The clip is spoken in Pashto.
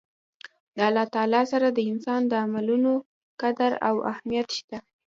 د الله تعالی سره د انسان د عملونو قدر او اهميت شته